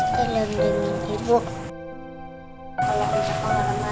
gak ada yang bisa dikira